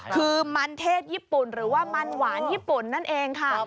คือมันเทศญี่ปุ่นหรือว่ามันหวานญี่ปุ่นนั่นเองค่ะ